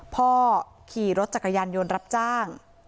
พ่อขี่รถจักรยานยนต์รับจ้าง